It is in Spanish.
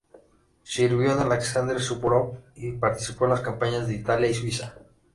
Sirvió a de Aleksandr Suvórov y participó en las campañas de Italia y Suiza.